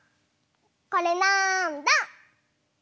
これなんだ？